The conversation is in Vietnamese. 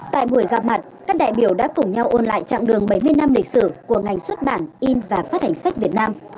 tại buổi gặp mặt các đại biểu đã cùng nhau ôn lại chặng đường bảy mươi năm lịch sử của ngành xuất bản in và phát hành sách việt nam